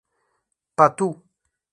Patu